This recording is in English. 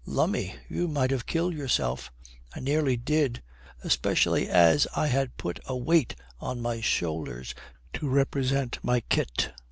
'Lummy, you might have killed yourself.' 'I nearly did especially as I had put a weight on my shoulders to represent my kit.